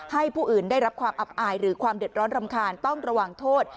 ผู้อื่นได้รับความอับอายหรือความเดือดร้อนรำคาญต้องระวังโทษ